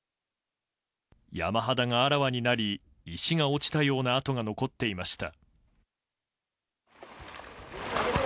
山肌があらわになり石が落ちたような跡が残っていました。